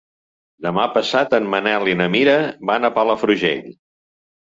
Demà passat en Manel i na Mira van a Palafrugell.